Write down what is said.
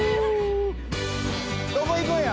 どこ行くんや！